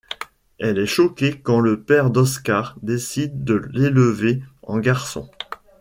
Elle est choquée quand le père d'Oscar décide de l'élever en garçon.